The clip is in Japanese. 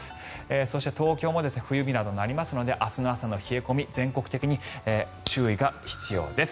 そして、東京も冬日などになりますので明日の朝の冷え込み全国的に注意が必要です。